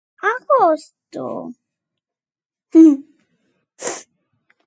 Agosto.